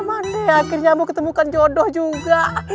akhirnya mau ketemukan jodoh juga